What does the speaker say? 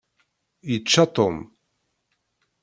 Yečča Tom.